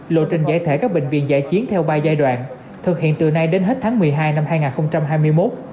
lộ trình giải thể các bệnh viện giải chiến theo ba giai đoạn thực hiện từ nay đến hết tháng một mươi hai năm hai nghìn hai mươi một